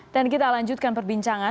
dan kita lanjutkan perbincangan